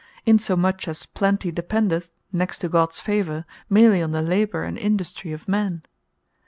Insomuch as Plenty dependeth (next to Gods favour) meerly on the labour and industry of men.